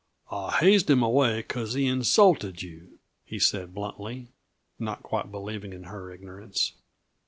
"I hazed him away because he insulted you," he said bluntly, not quite believing in her ignorance.